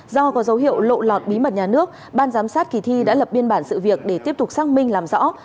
do có dấu hiệu lộ lọt bí mật nhà nước ban giám sát kỳ thi đã lập biên bản sự việc để tiếp tục xác minh làm rõ